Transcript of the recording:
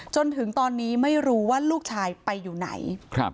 จนถึงตอนนี้ไม่รู้ว่าลูกชายไปอยู่ไหน